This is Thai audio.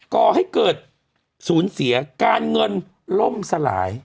ก่อให้เกิดสูญเสียการเงินล่มสลาย